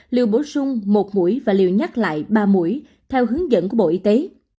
liều bổ sung một mũi và liều nhắc lại ba mũi theo hướng dẫn của bộ y tế